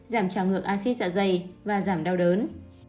giảm trào ngược acid dạ dày và giảm đau đớn